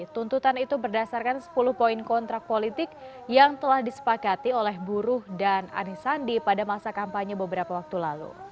tuntutan itu berdasarkan sepuluh poin kontrak politik yang telah disepakati oleh buruh dan anisandi pada masa kampanye beberapa waktu lalu